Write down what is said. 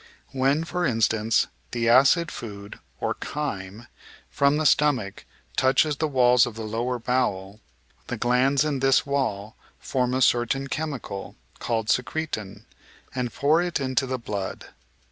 When, for instance, the acid food (or chyme) from the stomach touches the walls of the lower bowel, the glands in this wall form a certain chemical (called secretin)^ and pour it into the blood.